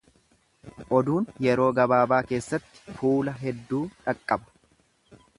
Oduun yeroo gabaabaa keessatti fuula hedduu dhaqqaba.